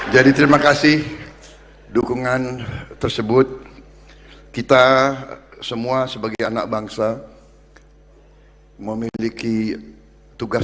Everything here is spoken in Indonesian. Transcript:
jadi terima kasih dukungan tersebut kita semua sebagai anak bangsa memiliki tugas